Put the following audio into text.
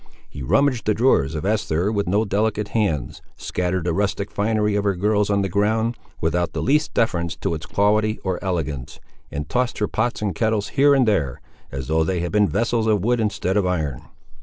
He rummaged the drawers of Esther with no delicate hands, scattered the rustic finery of her girls on the ground, without the least deference to its quality or elegance, and tossed her pots and kettles here and there, as though they had been vessels of wood instead of iron.